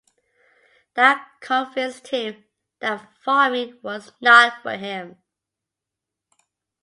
That convinced him that farming was not for him.